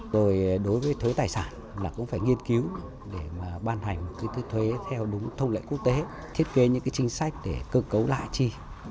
rồi đối với thuế tài sản cũng phải nghiên cứu để ban hành thuế theo đúng thông lệ quốc tế thiết kế những chính sách để cơ cấu lãi chi